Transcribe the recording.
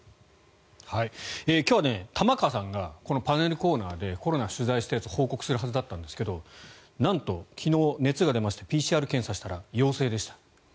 今日は玉川さんがこのパネルコーナーでコロナ取材したやつを報告する予定だったんですがなんと、昨日熱が出ましてＰＣＲ検査したら陽性でした。